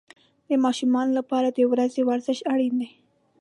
د ماشومانو لپاره د ورځې ورزش اړین دی.